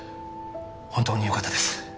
本当によかったです